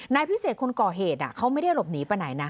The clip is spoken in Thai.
นายพิเศษคนก่อเหตุเขาไม่ได้หลบหนีไปไหนนะ